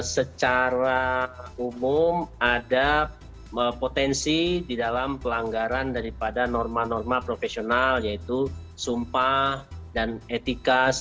secara umum ada potensi di dalam pelanggaran daripada norma norma profesional yaitu sumpah dan etika